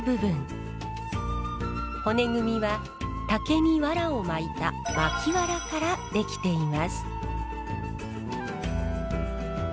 骨組みは竹にわらを巻いた巻きわらから出来ています。